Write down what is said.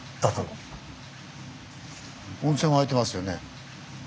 温泉湧いてますよね。